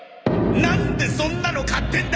なんでそんなの買ってるんだ！